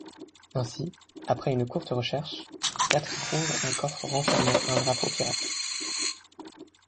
Ainsi, après une courte recherche, Kat trouve un coffre renfermant un drapeau pirate.